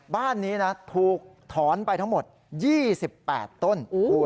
บ้านนี้นะถูกถอนไปทั้งหมด๒๘ต้น